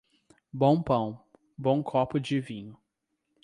Bom pão, bom copo de vinho.